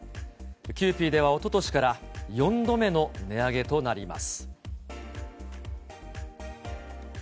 キユーピーではおととしから４度目の値上げとなります。